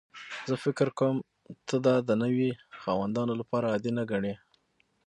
زه فکر کوم ته دا د نوي خاوندانو لپاره عادي نه ګڼې